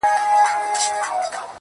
• د ژوند دوران ته دي کتلي گراني .